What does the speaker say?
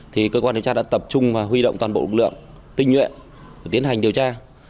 thì cơ quan điều tra đã tập trung và huy động toàn bộ lực lượng tinh nhuệ để tiến hành điều tra